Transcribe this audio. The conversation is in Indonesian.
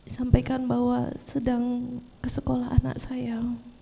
sampaikan bahwa sedang ke sekolah anak saya